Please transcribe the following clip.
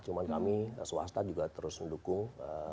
cuma kami swasta juga terus mendukung